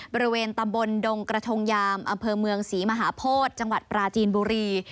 บริเวณตำบลดงกระทงยามอำเภอเมืองศรีมหาโพธิจังหวัดปราจีนบุรี